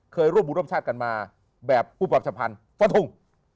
เคยร่วมบุญร่วมชาติกันมาแบบปุปับชะพรรณฟ้าทุ่ง